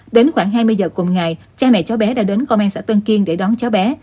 đến khoảng hai mươi giờ cùng ngày cha mẹ cháu bé đã đến công an xã tân kiên để đón cháu bé